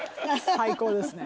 最高ですね。